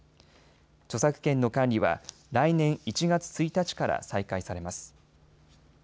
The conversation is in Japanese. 著作権の管理は来年１月１日から再開されます。